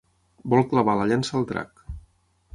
Vol clavar la llança al drac.